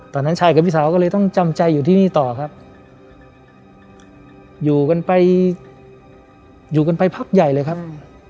ตอนนั้นชายกับพี่สาวก็เลยต้องจำใจอยู่ที่นี่ต่อครับอยู่กันไปอยู่กันไปพักใหญ่เลยครับ